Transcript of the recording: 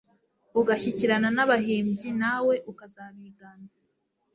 ugashyikirana na bahimbyi nawe ukazabigana,